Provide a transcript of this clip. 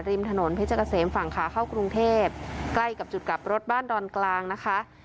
ริมถนนเพชรเกษมฝั่งขาเข้ากรุงเทพใกล้กับจุดกลับรถบ้านดอนกลางนะคะ